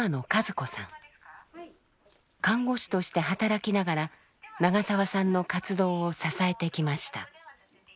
看護師として働きながら長澤さんの活動を支えてきました。